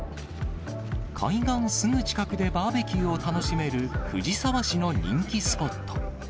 海岸すぐ近くでバーベキューを楽しめる藤沢市の人気スポット。